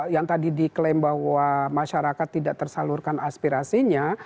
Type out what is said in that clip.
yang tadi diklaim bahwa masyarakat tidak tersalurkan aspirasinya